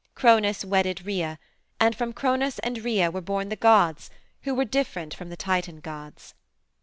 Cronos wedded Rhea, and from Cronos and Rhea were born the gods who were different from the Titan gods.